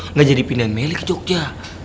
nggak jadi pindahin meli ke jogja